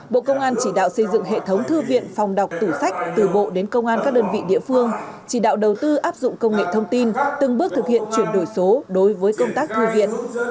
bộ công an chỉ đạo xây dựng hệ thống thư viện phòng đọc tủ sách từ bộ đến công an các đơn vị địa phương chỉ đạo đầu tư áp dụng công nghệ thông tin từng bước thực hiện chuyển đổi số đối với công tác thư viện